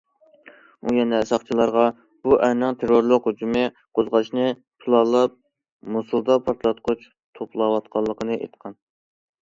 ئۇ يەنە ساقچىلارغا بۇ ئەرنىڭ تېررورلۇق ھۇجۇمى قوزغاشنى پىلانلاپ، موسۇلدا پارتلاتقۇچ توپلاۋاتقانلىقىنى ئېيتقان.